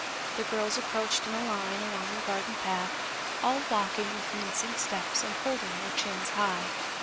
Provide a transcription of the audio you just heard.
The girls approached in a line along the garden path, all walking with mincing steps and holding their chins high.